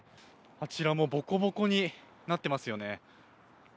あちらもぼこぼこになっていますよね。